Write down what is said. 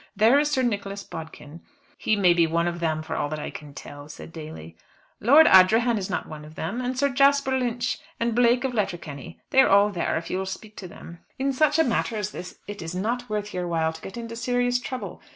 There is Sir Nicholas Bodkin " "He may be one of them for all that I can tell," said Daly. "Lord Ardrahan is not one of them. And Sir Jasper Lynch, and Blake of Letterkenny, they are all there, if you will speak to them. In such a matter as this it is not worth your while to get into serious trouble.